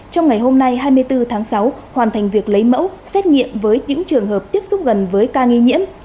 trong ngày hôm nay hai mươi bốn tháng sáu hoàn thành việc lấy mẫu xét nghiệm với những trường hợp tiếp xúc gần với ca nghi nhiễm